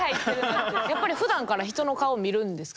やっぱりふだんから人の顔見るんですか？